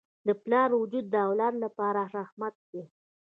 د پلار وجود د اولاد لپاره رحمت دی.